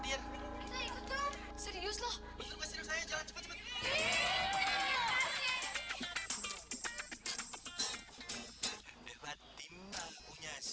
iya apaan sih dia seru banget tuh